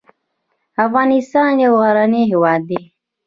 افغانستان یو غرنی هېواد دې .